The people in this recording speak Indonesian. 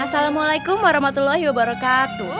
assalamualaikum warahmatullahi wabarakatuh